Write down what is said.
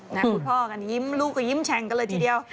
คุณพ่อกันยิ้มลูกก็ยิ้มแฉ่งกันเลยทีเดียว